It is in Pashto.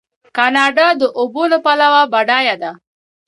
کاناډا د اوبو له پلوه بډایه ده.